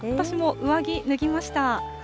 私も上着脱ぎました。